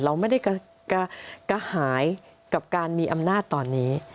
เราไม่ได้กระหายกับการมีอำนาจตอนนี้